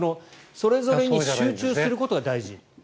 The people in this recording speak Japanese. それぞれに集中することが大事。